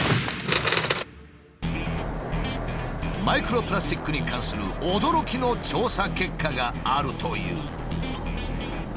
マイクロプラスチックに関する驚きの調査結果があるという。